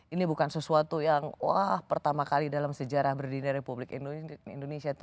ini bukan sesuatu yang wah pertama kali dalam sejarah berdirinya republik indonesia